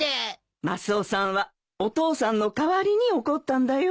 マスオさんはお父さんの代わりに怒ったんだよ。